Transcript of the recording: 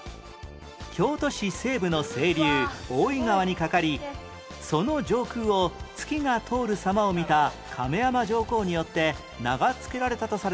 京都市西部の清流大堰川に架かりその上空を月が通る様を見た亀山上皇によって名が付けられたとされる